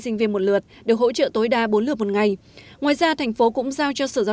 sinh viên một lượt được hỗ trợ tối đa bốn lượt một ngày ngoài ra thành phố cũng giao cho sở giao